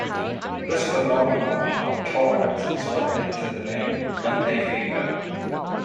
This phenomenon of tolerance is what led to the name "Monday Fever".